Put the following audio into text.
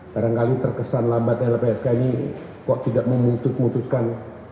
kadang kadang terkesan lambat lpsk ini kok tidak memutus mutuskan